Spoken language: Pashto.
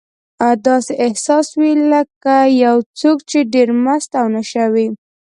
داسې احساس وي لکه یو څوک چې ډېر مست او نشه وي.